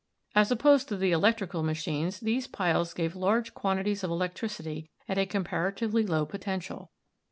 As opposed to the electrical machines, these piles gave large quantities of electricity at a compara tively low potential.